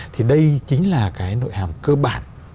thì đây chính là cái nội hàm cơ bản